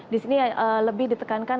di sini lebih ditekankan